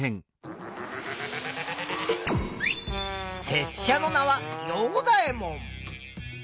せっしゃの名はヨウダエモン。